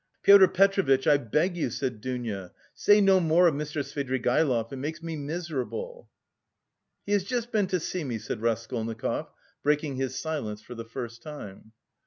"Pyotr Petrovitch, I beg you," said Dounia, "say no more of Mr. Svidrigaïlov. It makes me miserable." "He has just been to see me," said Raskolnikov, breaking his silence for the first time.